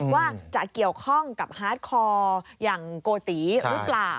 ว่าจะเกี่ยวข้องกับฮาร์ดคอร์อย่างโกติหรือเปล่า